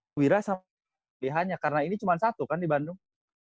pertimbangannya karena ini cuma satu kan di bandung